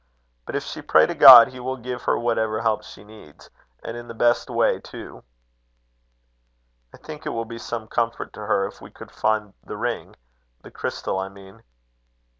But if she pray to God, he will give her whatever help she needs, and in the best way, too." "I think it would be some comfort to her if we could find the ring the crystal, I mean."